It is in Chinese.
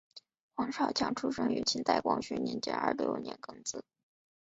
黄少强出生于清代光绪二十六年庚子。